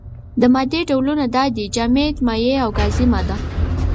د مادې ډولونه دا دي: جامده، مايع او گازي ماده.